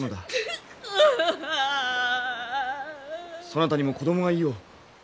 そなたにも子供がいよう。